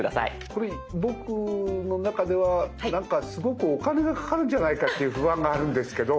これ僕の中ではなんかすごくお金がかかるんじゃないかっていう不安があるんですけど。